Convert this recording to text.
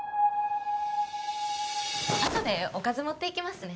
後でおかず持って行きますね。